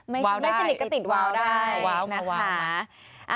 ไม่สนิทก็ติดว้าวได้ว้าวนะคะ